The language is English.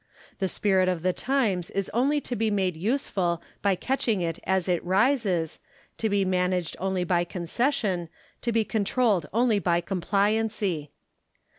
The spirit of the times is only to be made useful by catching it as it rises, to be managed only by concession, to be controlled only by compliancy.